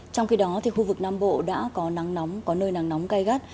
trong khi đó thì khu vực nam bộ đã có nắng nóng có nơi nắng nóng cay gắt